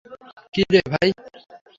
কী রে ভাই?